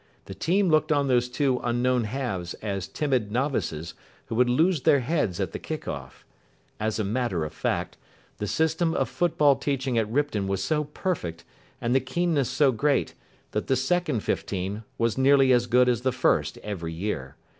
The team looked on those two unknown halves as timid novices, who would lose their heads at the kick off. As a matter of fact, the system of football teaching at Ripton was so perfect, and the keenness so great, that the second fifteen was nearly as good as the first every year.